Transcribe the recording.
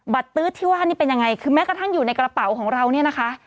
ตื๊ดที่ว่านี่เป็นยังไงคือแม้กระทั่งอยู่ในกระเป๋าของเราเนี่ยนะคะ